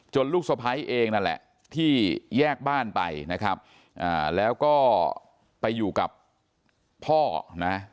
ลูกสะพ้ายเองนั่นแหละที่แยกบ้านไปนะครับแล้วก็ไปอยู่กับพ่อนะ